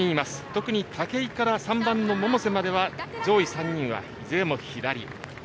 特に武井から３番の百瀬までの上位３人はいずれも左。